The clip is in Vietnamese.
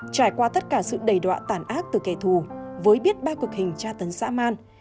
trải qua tất cả sự đầy đoạ tản ác từ kẻ thù với biết ba cực hình tra tấn xã man